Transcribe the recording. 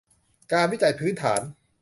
การวิจัยพื้นฐาน